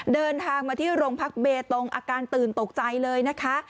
เดินทางมาที่โรงพักเบตงอาการตื่นตกใจเลยนะคะ